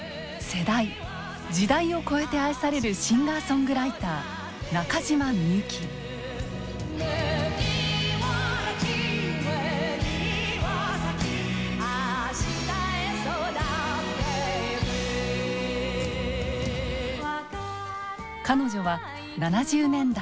世代時代を超えて愛されるシンガーソングライター彼女は７０年代。